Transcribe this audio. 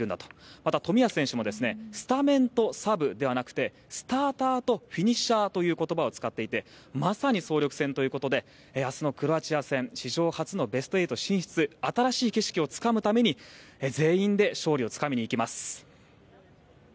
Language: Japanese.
また、冨安選手もスタメンとサブではなくてスターターとフィニッシャーという言葉を使っていてまさに総力戦ということで明日のクロアチア戦史上初のベスト８進出新しい景色をつかむために全員で勝利をつかみにいきます。